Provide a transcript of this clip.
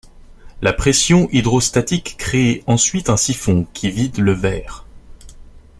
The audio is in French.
La pression hydrostatique crée ensuite un siphon qui vide le verre.